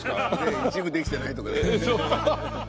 一部できてないとかね。